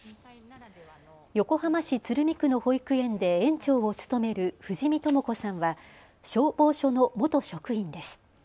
横浜市鶴見区の保育園で園長を務める藤實智子さんは消防署の元職員です。